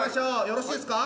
よろしいですか？